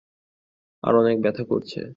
আর অনেক ব্যথা করছে।